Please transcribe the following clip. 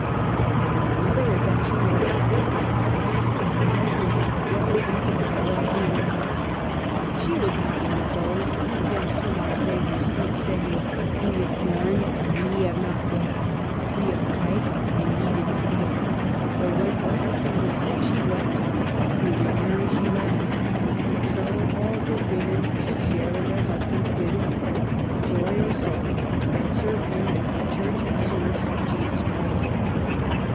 And in another ad venture, where a good wife laughs at her hus band's infidelity, Oisille remarks :'' She was not THE '' heptameron:' 213 one of those against whom our Saviour speaks, saying, We have mourned and ye have not wept, we have piped and ye did not dance ; for when her husband was sick she wept, and when he was merry she laughed. So all good women should share in their husband's good and evil, joy or sorrow, and serve him as the Church serves Jesus Christ."